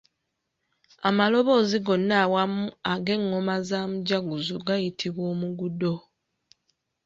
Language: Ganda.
Amalaboozi gonna awamu ag’engoma za mujaguzo gayitibwa omugudo.